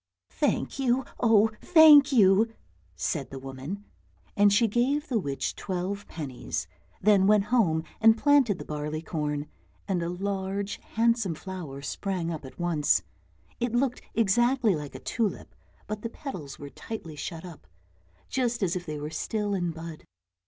"Thank you, oh, thank you!" said the woman, and she gave the witch twelve pennies, then went home and planted the barleycorn, and a large, handsome flower sprang up at once; it looked exactly like a tulip, but the petals were tightly shut up, just as if they were still in bud.